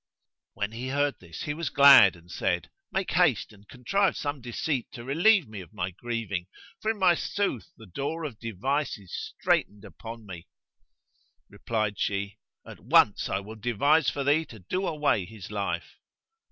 When he heard this, he was glad and said, "Make haste and contrive some deceit to relieve me of my grieving: for in my sooth the door of device is straitened upon me!" Replied she, "At once I will devise for thee to do away his life."